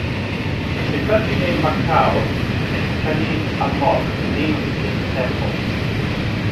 The country name Macau is from Chinese "A-mok", name of the city's temple.